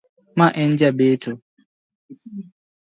Ma en jabeto.